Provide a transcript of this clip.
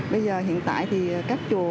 bây giờ hiện tại thì các chùa